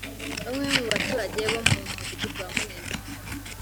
Bamwe mu baturage bo mu Mudugudu wa Munini